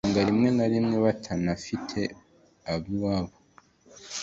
usanga rimwe na rimwe batanafitiye ab’iwabo